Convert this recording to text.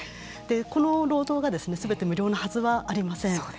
この労働がすべて無料のはずはありません。